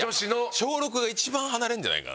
小６が一番離れんじゃないかな。